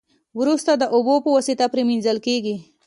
وروسته د اوبو په واسطه پری مینځل کیږي.